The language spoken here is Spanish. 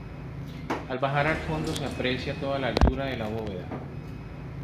Al bajar al fondo se aprecia toda la altura de la bóveda.